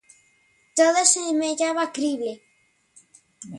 Todo semellaba crible.